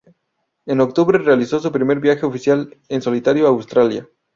En octubre realizó su primer viaje oficial en solitario a Australia.